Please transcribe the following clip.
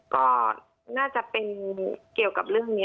ก็น่าจะเป็นเกี่ยวกับเรื่องนี้